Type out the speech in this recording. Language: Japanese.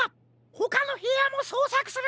ほかのへやもそうさくするんじゃ！